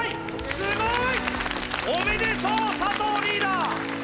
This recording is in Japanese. すごい！おめでとう佐藤リーダー。